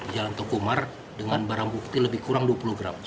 jalan tokomar dengan barang bukti lebih kurang dua puluh gram